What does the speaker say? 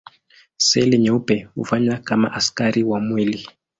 Seli nyeupe hufanya kama askari wa mwili.